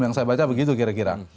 yang saya baca begitu kira kira